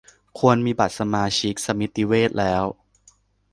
ควรมีบัตรสมาชิกสมิติเวชแล้ว